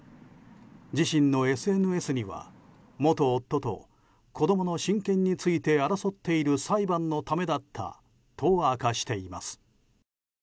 自身のＳＮＳには、元夫と子供の親権について争っている裁判のためだったと明かしています。